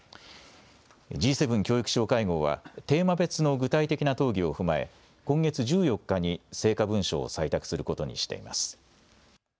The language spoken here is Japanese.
Ｇ７教育相会合はテーマ別の具体的な討議を踏まえ今月１４日に成果文書を採択することにしています。